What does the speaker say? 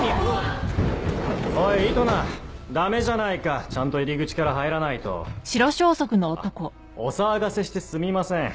おいイトナダメじゃないかちゃんと入り口から入らないとあお騒がせしてすみません